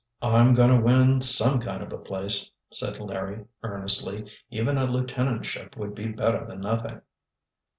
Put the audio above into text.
"I'm going to win some kind of a place," said Larry earnestly. "Even a lieutenantship would be better than nothing."